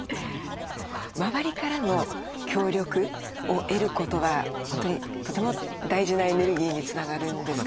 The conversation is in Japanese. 周りからの協力を得ることは本当にとても大事なエネルギーにつながるんですかね。